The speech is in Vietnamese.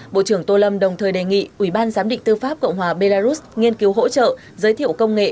bộ trưởng tô lâm đồng thời đề nghị ủy ban giám định tư pháp cộng hòa belarus nghiên cứu hỗ trợ giới thiệu công nghệ